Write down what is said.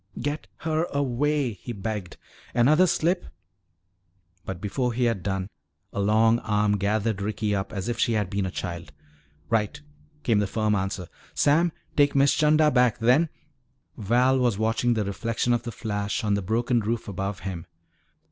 "Get her away," he begged. "Another slip " But before he had done, a long arm gathered Ricky up as if she had been a child. "Right," came the firm answer. "Sam, take Miss 'Chanda back. Then " Val was watching the reflection of the flash on the broken roof above him.